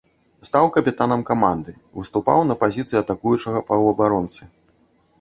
Стаў капітанам каманды, выступаў на пазіцыі атакуючага паўабаронцы.